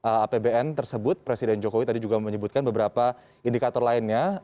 di apbn tersebut presiden jokowi tadi juga menyebutkan beberapa indikator lainnya